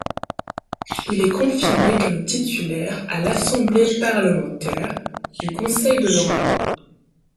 Il est confirmé comme titulaire à l'assemblée parlementaire du Conseil de l'Europe.